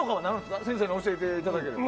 先生に教えていただければ。